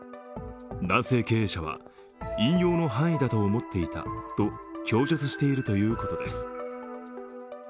男性経営者は、引用の範囲だと思っていたと供述しているということです。